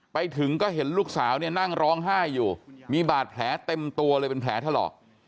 ไปถึงก็เห็นลูกสาวเนี่ยนั่งร้องไห้อยู่มีบาดแผลเต็มตัวเลยเป็นแผลถลอก